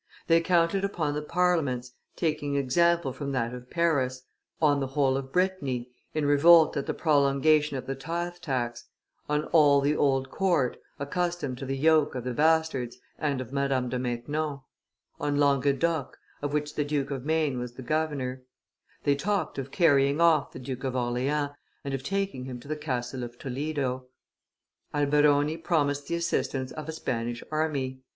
They counted upon the Parliaments, taking example from that of Paris, on the whole of Brittany, in revolt at the prolongation of the tithe tax, on all the old court, accustomed to the yoke of the bastards and of Madame de Maintenon, on Languedoc, of which the Duke of Maine was the governor; they talked of carrying off the Duke of Orleans, and taking him to the castle of Toledo; Alberoni promised the assistance of a Spanish army.